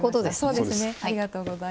そうですねありがとうございます。